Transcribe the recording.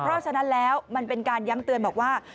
เพราะฉะนั้นแล้วมันเป็นการย้ำเตือนบอกว่า